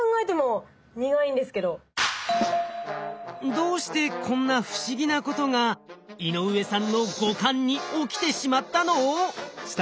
どうしてこんな不思議なことが井上さんの五感に起きてしまったの？